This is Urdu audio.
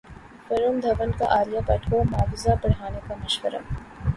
ورن دھون کا عالیہ بھٹ کو معاوضہ بڑھانے کا مشورہ